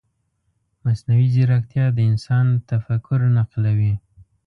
مصنوعي ځیرکتیا د انسان تفکر نقلوي.